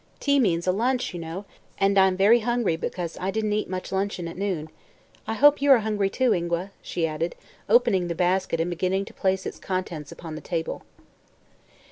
Tea means a lunch, you know, and I'm very hungry because I didn't eat much luncheon at noon. I hope you are hungry, too, Ingua," she added, opening the basket and beginning to place its contents upon the table.